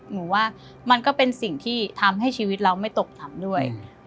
หนูว่ามันก็เป็นสิ่งที่ทำให้ชีวิตเราไม่ตกต่ำด้วย